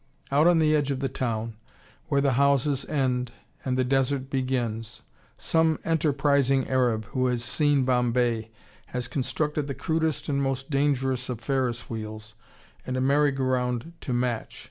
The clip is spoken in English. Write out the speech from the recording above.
Out on the edge of the town, where the houses end and the desert begins, some enterprising Arab, who has "seen Bombay," has constructed the crudest and most dangerous of Ferris Wheels, and a merry go round to match.